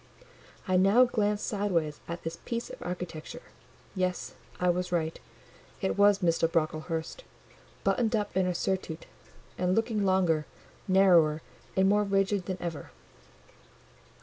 I now glanced sideways at this piece of architecture. Yes, I was right: it was Mr. Brocklehurst, buttoned up in a surtout, and looking longer, narrower, and more rigid than ever.